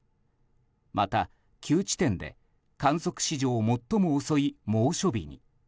また、９地点で観測史上最も遅い猛暑日に。